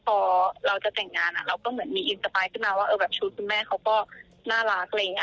พอเราจะแต่งงานเราก็เหมือนมีอินสไตล์ขึ้นมาว่าชุดคุณแม่เขาก็น่ารักเลย